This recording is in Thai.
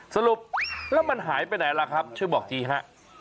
สรุปแล้วมันหายไปไหนล่ะครับช่วยบอกทีฮะ